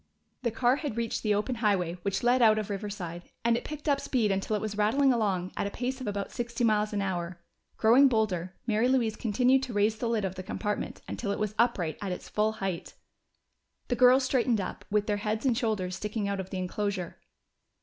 The car had reached the open highway which led out of Riverside, and it picked up speed until it was rattling along at a pace of about sixty miles an hour. Growing bolder, Mary Louise continued to raise the lid of the compartment until it was upright at its full height. The girls straightened up, with their heads and shoulders sticking out of the enclosure.